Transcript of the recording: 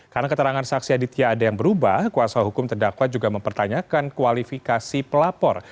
karena keterangan saksi aditya ada yang berubah kuasa hukum terdakwa juga mempertanyakan kualifikasi pelapor